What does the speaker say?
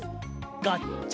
ガッチャ。